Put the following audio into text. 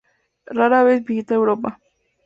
Rara vez visita Europa.